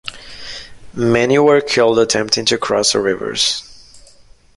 Many were killed attempting to cross the rivers.